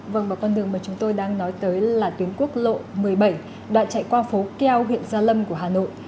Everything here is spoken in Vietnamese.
vâng một con đường mà chúng tôi đang nói tới là tuyến quốc lộ một mươi bảy đoạn chạy qua phố keo huyện gia lâm của hà nội